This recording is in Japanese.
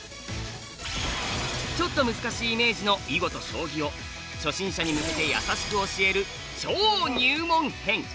ちょっと難しいイメージの囲碁と将棋を初心者に向けて優しく教える超入門編。